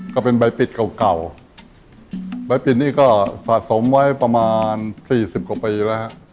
ก็เป็นใบปิดเก่าใบปิดนี้ก็สะสมไว้ประมาณ๔๐กว่าปีแล้ว